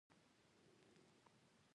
د هندوکش د ساتنې لپاره قوانین شته.